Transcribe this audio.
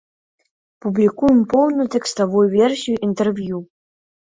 Публікуем поўную тэкставую версію інтэрв'ю.